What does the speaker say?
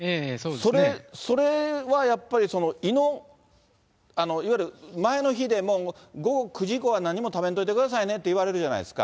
それはやっぱり、胃の、いわゆる前の日でも午後９時以降は何も食べんといてくださいねって言われるじゃないですか。